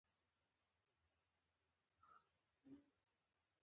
حمید لودي څخه وروسته نصر پاچاهي ته رسېدلى دﺉ.